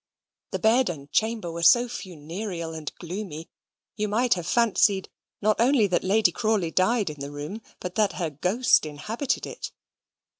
The bed and chamber were so funereal and gloomy, you might have fancied, not only that Lady Crawley died in the room, but that her ghost inhabited it.